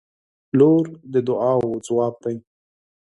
• لور د دعاوو ځواب دی.